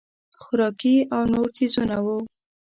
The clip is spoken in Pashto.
خوراکي او نور څیزونه وو.